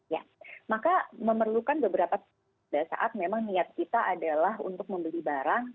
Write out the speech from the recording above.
ya maka memerlukan beberapa saat memang niat kita adalah untuk membeli barang